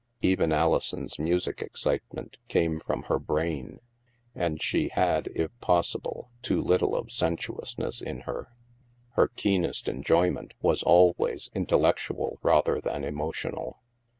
Even Alison's music excitement came from her brain, and she had, if possible, too little of sensuousness in her. Her keenest enjoyment was always intellectual rather than emotional.